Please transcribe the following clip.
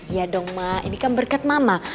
iya dong mak ini kan berkat mama